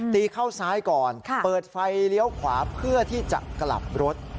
ตีเข้าซ้ายก่อนเปิดไฟเลี้ยวขวาเพื่อที่จะกลับรถ